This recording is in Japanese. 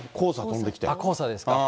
黄砂ですか。